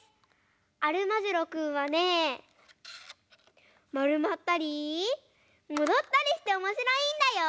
アルマジロくんはねまるまったりもどったりしておもしろいんだよ！